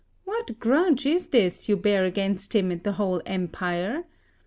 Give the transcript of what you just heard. What grudge is this you bear against him and the whole empire?